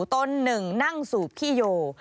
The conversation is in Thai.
ตนหนึ่งนั่งสูบขี้โย